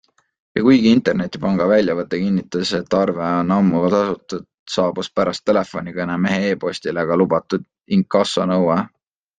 Ja kuigi internetipanga väljavõte kinnitas, et arve on ammu tasutud, saabus pärast telefonikõne mehe e-postile ka lubatud inkassonõue.